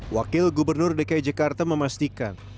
wakil gubernur dki jakarta memastikan